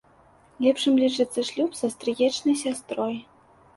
Лепшым лічыцца шлюб са стрыечнай сястрой.